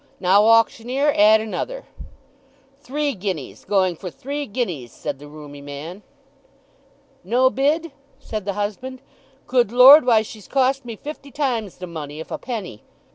Now auctioneer, add another." "Three guineas—going for three guineas!" said the rheumy man. "No bid?" said the husband. "Good Lord, why she's cost me fifty times the money, if a penny.